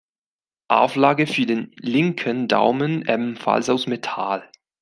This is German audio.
Auflage für den linken Daumen ebenfalls aus Metall.